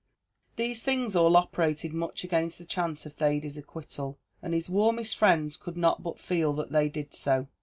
These things all operated much against the chance of Thady's acquittal, and his warmest friends could not but feel that they did so.